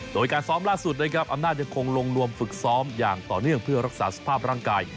โดยการซ้อมล่าสุดนะครับอำนาจยังคงลงรวมฝึกซ้อมอย่างต่อเนื่องเพื่อรักษาสภาพร่างกาย